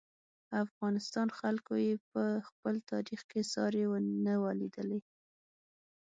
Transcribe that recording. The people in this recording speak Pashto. افغانستان خلکو یې په خپل تاریخ کې ساری نه و لیدلی.